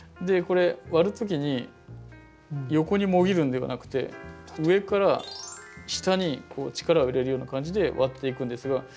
これ割る時に横にもぎるんではなくて上から下にこう力を入れるような感じで割っていくんですが。